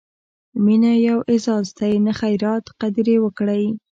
مینه یو اعزاز دی، نه خیرات؛ قدر یې وکړئ!